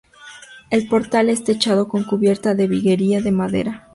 El portal es techado con cubierta de viguería de madera.